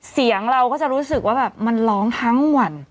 เสียงเราก็จะรู้สึกว่าแบบมันร้องทั้งวัน